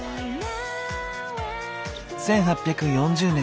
１８４０年